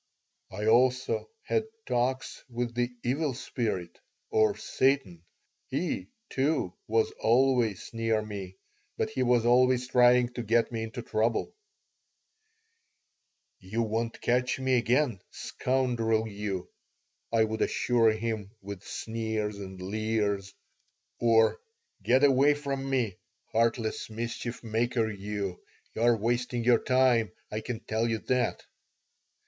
I also had talks with the Evil Spirit, or Satan. He, too, was always near me. But he was always trying to get me into trouble "You won't catch me again, scoundrel you," I would assure him with sneers and leers. Or, "Get away from me, heartless mischief maker you! You're wasting your time, I can tell you that."